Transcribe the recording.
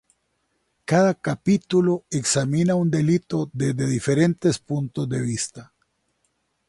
Cada capítulo examina un delito desde diferentes puntos de vista.